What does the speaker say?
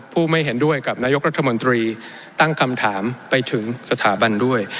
ไม่เห็นด้วยกับนายกรัฐมนตรีตั้งคำถามไปถึงสถาบันด้วย